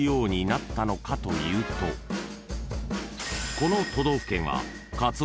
［この都道府県は］